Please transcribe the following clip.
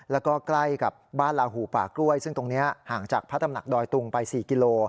แล้วก็ใกล้กับบ้านลาหูป่ากล้วยซึ่งตรงนี้ห่างจากพระตำหนักดอยตุงไป๔กิโล